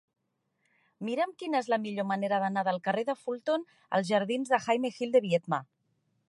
Mira'm quina és la millor manera d'anar del carrer de Fulton als jardins de Jaime Gil de Biedma.